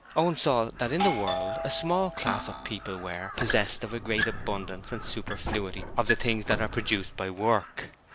Owen saw that in the world a small class of people were possessed of a great abundance and superfluity of the things that are produced by work.